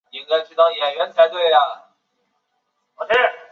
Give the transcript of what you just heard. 十大愿王在藏传佛教中对应的是七支供养。